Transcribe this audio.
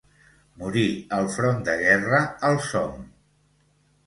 Morí al front de guerra al Somme.